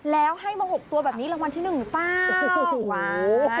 แล้วให้มา๖ตัวแบบนี้รางวัลที่๑หรือเปล่า